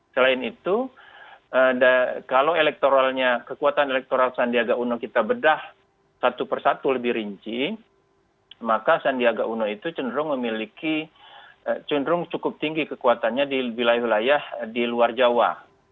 selain itu kalau kekuatan elektoral sandiaga uno kita bedah satu persatu lebih rinci maka sandiaga uno itu cenderung memiliki cenderung cukup tinggi kekuatannya di wilayah wilayah di luar jawa